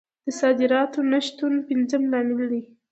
د صادراتو نه شتون پنځم لامل دی.